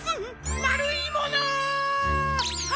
まるいもの！